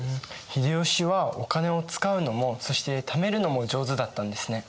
秀吉はお金を使うのもそしてためるのも上手だったんですね。